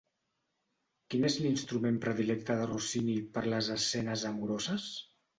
Quin és l'instrument predilecte de Rossini per les escenes amoroses?